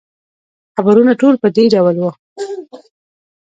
خبرونه ټول په دې ډول وو.